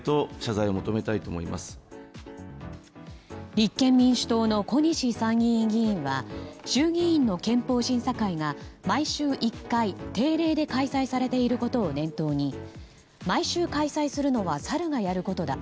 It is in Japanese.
立憲民主党の小西参議院議員は衆議院の憲法審査会が毎週１回定例で開催されていることを念頭に毎週開催するのはサルがやることだ。